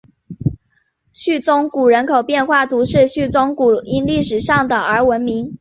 叙宗谷人口变化图示叙宗谷因历史上的而闻名。